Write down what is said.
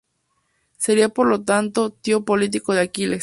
Sería por lo tanto tío político de Aquiles.